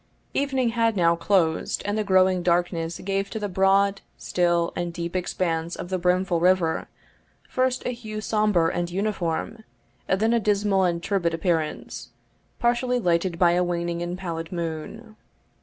Evening had now closed, and the growing darkness gave to the broad, still, and deep expanse of the brimful river, first a hue sombre and uniform then a dismal and turbid appearance, partially lighted by a waning and pallid moon.